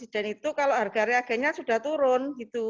harga reagen itu kalau harga reagennya sudah turun